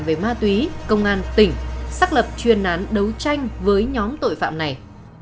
về ma túy công an tỉnh xác lập chuyên án đấu tranh với nhóm tội phạm này